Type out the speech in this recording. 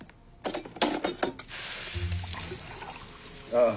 ああ。